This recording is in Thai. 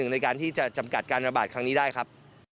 ในการที่จะจำกัดการระบาดครั้งนี้ได้ครับ